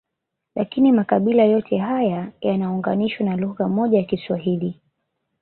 Lakini makabila yote haya yanaunganishwa na lugha moja ya Kiswahili